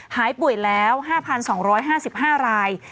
หายป่วยแล้ว๕๒๕๕ราย